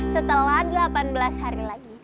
setelah delapan belas hari lagi